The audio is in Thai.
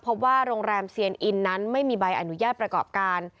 พบว่าโรงแรมเซียนอินนั้นไม่มีใบอนุญาตประกอบการ